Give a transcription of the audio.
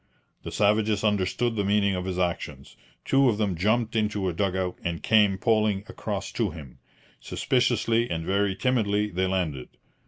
The savages understood the meaning of his actions. Two of them jumped into a dug out and came poling across to him. Suspiciously and very timidly they landed.